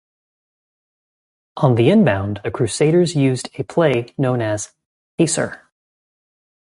On the inbound, the Crusaders used a play known as "Pacer".